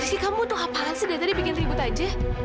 fisik kamu tuh apaan sih dari tadi bikin ribut aja